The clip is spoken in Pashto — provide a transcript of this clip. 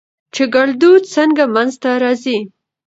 چې ګړدود څنګه منځ ته راځي؟